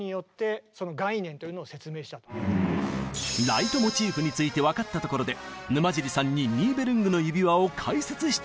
ライトモチーフについて分かったところで沼尻さんに「ニーベルングの指環」を解説して頂きます。